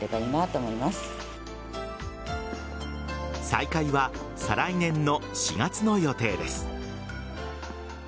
再開は再来年の４月の予定です。